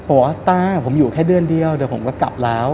บอกว่าต้าผมอยู่แค่เดือนเดียวเดี๋ยวผมก็กลับแล้ว